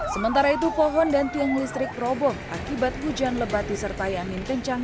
sementara itu pohon dan tiang listrik roboh akibat hujan lebat disertai angin kencang